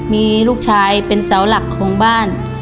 มีลูกชายเป็นเสาหลักของบ้าน